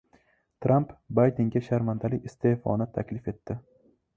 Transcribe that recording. Tramp Baydenga sharmandali iste’foni taklif etdi